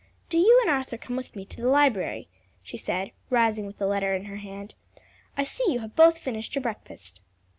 Do you and Arthur come with me to the library," she said, rising with the letter in her hand. "I see you have both finished your breakfast."